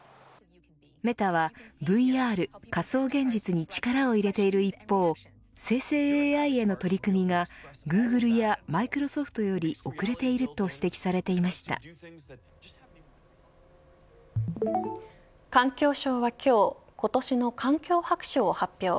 メタはＶＲ、仮想現実に力を入れている一方生成ＡＩへの取り組みがグーグルやマイクロソフトより遅れていると指摘されて環境省は今日今年の環境白書を発表。